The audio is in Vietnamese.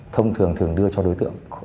thông thường thường đưa cho đối tượng